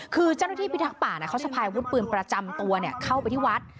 คือเจ้าหน้าที่พิทักษ์ป่าเขาสะพายวุธปืนประจำตัวเข้าไปที่วัด